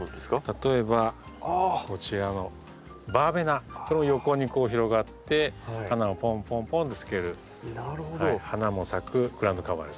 例えばこちらの「バーベナ」これも横にこう広がって花をぽんぽんぽんとつける花も咲くグラウンドカバーですね。